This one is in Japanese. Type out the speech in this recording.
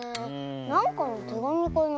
なんかのてがみかなあ。